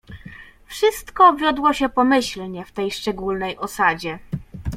"Wszystko wiodło się pomyślnie w tej szczególnej osadzie."